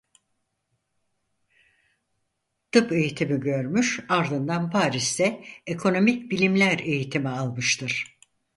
Tıp eğitimi görmüş ardından Paris'te Ekonomik Bilimler eğitimi almıştır.